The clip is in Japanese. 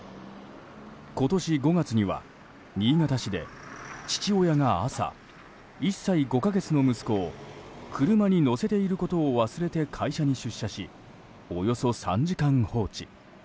今年５月には新潟市で父親が朝、１歳５か月の息子を車に乗せていることを忘れて会社に出社しおよそ３時間、放置。